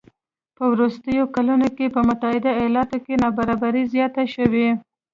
په وروستیو کلونو کې په متحده ایالاتو کې نابرابري زیاته شوې